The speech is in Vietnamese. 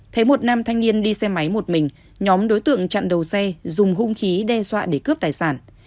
thấy một nam thanh niên đi xe máy một mình nhóm đối tượng chặn đầu xe dùng hung khí đe dọa để cướp tài sản